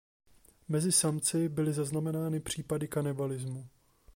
Mezi samci byly zaznamenány případy kanibalismu.